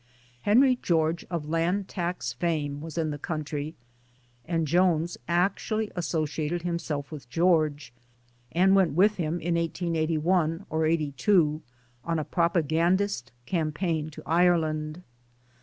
Henry George of Land Tax fame was in the country, and Joynes actually asso ciated himself with George, and went with him in 1881 or '82 on a propagandist campaign to Ireland.